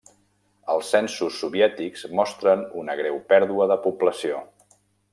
Els censos soviètics mostren una greu pèrdua de població.